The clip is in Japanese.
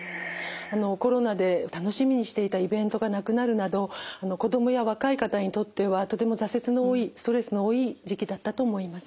コロナで楽しみにしていたイベントがなくなるなど子供や若い方にとってはとても挫折の多いストレスの多い時期だったと思います。